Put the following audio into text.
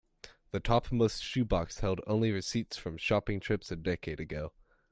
The topmost shoe box held only receipts from shopping trips a decade ago.